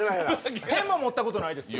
ペンも持ったことないですよ。